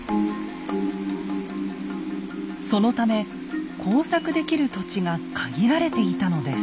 そのため耕作できる土地が限られていたのです。